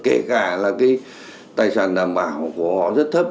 kể cả là cái tài sản đảm bảo của họ rất thấp